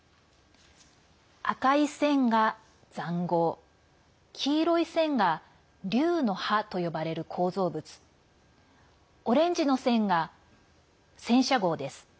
赤い線が、ざんごう黄色い線が竜の歯と呼ばれる構造物オレンジの線が戦車ごうです。